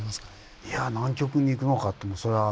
いやぁ南極に行くのかってそれは